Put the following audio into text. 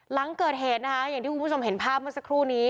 หลังเกิดเหตุนะคะอย่างที่คุณผู้ชมเห็นภาพเมื่อสักครู่นี้